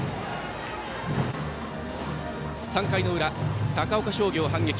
３回の裏、高岡商業、反撃。